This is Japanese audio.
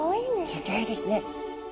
すギョいですね。